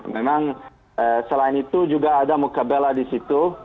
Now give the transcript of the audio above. memang selain itu juga ada mukabela di situ